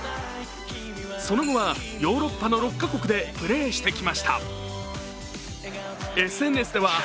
その後は、ヨーロッパの６か国でプレーしてきました。